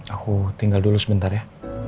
aku tinggal dulu sebentar ya